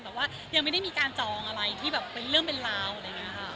แต่ว่ายังไม่ได้มีการจองอะไรที่แบบเป็นเรื่องเป็นราวอะไรอย่างนี้ค่ะ